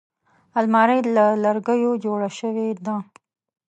الماري له لرګیو جوړه شوې ده